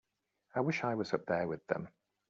I wish I was up there with them.